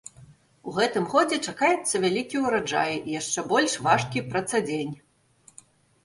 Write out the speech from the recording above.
У гэтым годзе чакаецца вялікі ўраджай і яшчэ больш важкі працадзень.